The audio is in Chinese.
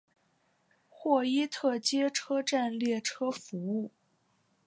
霍伊特街车站列车服务。